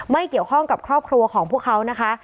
ไม่เกี่ยวข้องกับครอบครัวของพวกเขานะคะ